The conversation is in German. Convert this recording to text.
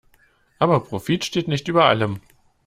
Aber Profit steht nicht über allem.